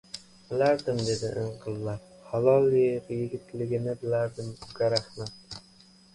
— Bilardim,— dedi inqillab,— halol yigitligingni bilardim, uka. Rahmat